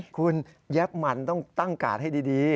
คุณแยกมันต้องตั้งกาดให้ดี